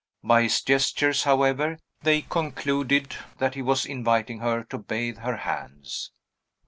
By his gestures, however, they concluded that he was inviting her to bathe her hands.